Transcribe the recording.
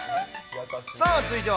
さあ続いては、